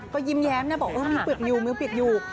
ก็ยิ้มแย้มนะบอกว่ามือเปียกอยู่